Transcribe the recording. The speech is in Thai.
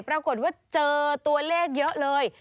ปรากฏว่าเจอตัวเลขเยอะเลย